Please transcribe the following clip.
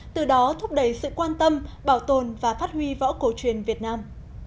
từ đó thúc đẩy sự quan tâm bảo tồn và phát huy võ cổ truyền việt nam